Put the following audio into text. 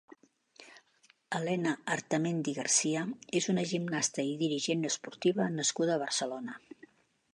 Elena Artamendi García és una gimnasta i dirigent esportiva nascuda a Barcelona.